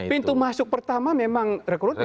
oh iya pintu masuk pertama memang rekrutmen